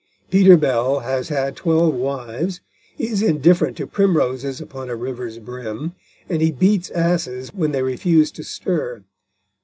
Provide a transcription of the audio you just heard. Peter Bell has had twelve wives, he is indifferent to primroses upon a river's brim, and he beats asses when they refuse to stir.